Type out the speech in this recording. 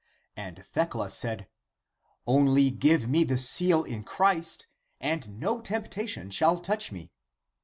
And Thecla said, " Only give me the seal in Christ, and no temptation shall touch me."